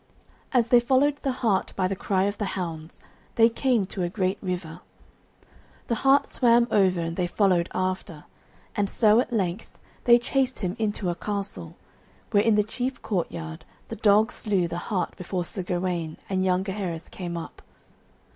As they followed the hart by the cry of the hounds, they came to a great river. The hart swam over, and they followed after, and so at length they chased him into a castle, where in the chief courtyard the dogs slew the hart before Sir Gawaine and young Gaheris came up.